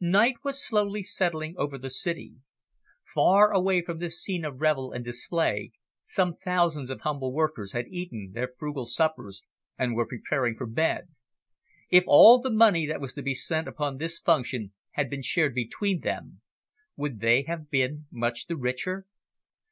Night was slowly settling over the city. Far away from this scene of revel and display, some thousands of humble workers had eaten their frugal suppers, and were preparing for bed. If all the money that was to be spent upon this function had been shared between them, would they have been much the richer?